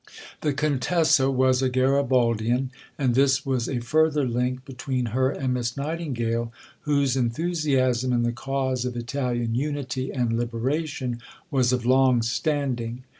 The Contessa was a Garibaldian, and this was a further link between her and Miss Nightingale, whose enthusiasm in the cause of Italian unity and liberation was of long standing.